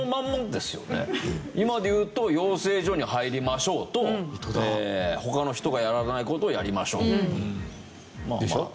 今で言うと「養成所に入りましょう」と「他の人がやらない事をやりましょう」。でしょう？